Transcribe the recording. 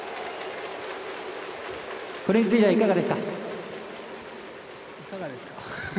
これについてはいかがですか？